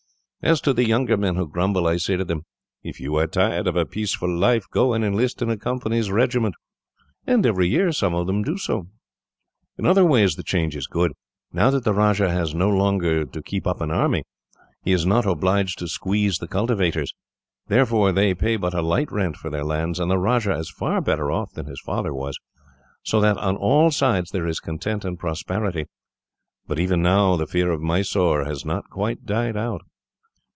"As to the younger men who grumble, I say to them, 'If you are tired of a peaceful life, go and enlist in a Company's regiment;' and every year some of them do so. "In other ways, the change is good. Now that the Rajah has no longer to keep up an army, he is not obliged to squeeze the cultivators. Therefore, they pay but a light rent for their lands, and the Rajah is far better off than his father was; so that, on all sides, there is content and prosperity. But, even now, the fear of Mysore has not quite died out."